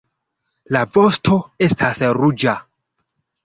La vosto estas ruĝa.